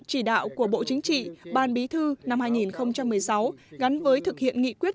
chỉ đạo của bộ chính trị ban bí thư năm hai nghìn một mươi sáu gắn với thực hiện nghị quyết